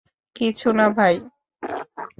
কিছু না ভাই।